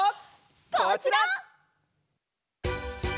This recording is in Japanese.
こちら！